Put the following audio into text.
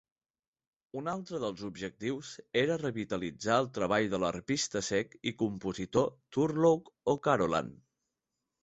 Un altre dels objectius era revitalitzar el treball de l'arpista cec i compositor Turlough O'Carolan.